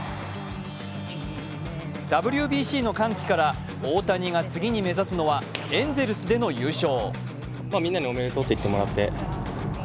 ＷＢＣの歓喜から大谷が次に目指すのはエンゼルスでの優勝。